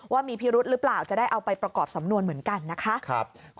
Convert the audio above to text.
ว่ามีพิรุธหรือเปล่าจะได้เอาไปประกอบสำนวนเหมือนกันนะคะ